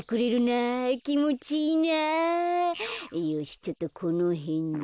よしちょっとこのへんで。